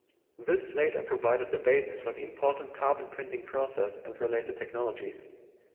This later provided the basis for the important carbon printing process and related technologies.